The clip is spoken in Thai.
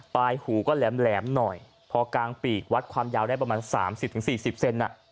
หูก็แหลมหน่อยพอกลางปีกวัดความยาวได้ประมาณ๓๐๔๐เซน